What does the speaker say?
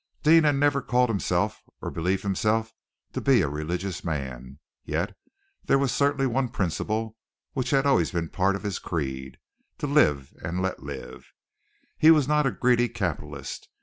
Deane had never called himself or believed himself to be a religious man, yet there was certainly one principle which had always been part of his creed, to live and let live. He was not a greedy capitalist.